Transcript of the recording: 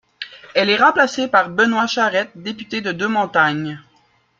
Elle est remplacée par Benoit Charette, député de Deux-Montagnes.